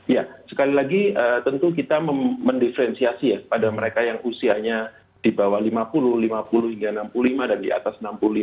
ya sekali lagi tentu kita mendiferensiasi ya pada mereka yang usianya di bawah lima puluh lima puluh hingga enam puluh lima dan di atas enam puluh lima